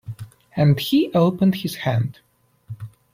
And he opened his hand.